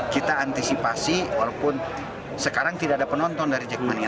kita antisipasi walaupun sekarang tidak ada penonton dari jackmania